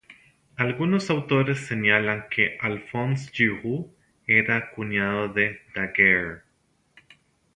Algunos autores señalan que Alphonse Giroux era cuñado de Daguerre.